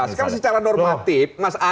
sekarang secara normatif